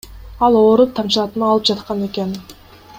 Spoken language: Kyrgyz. Ал ооруп, тамчылатма алып жаткан экен.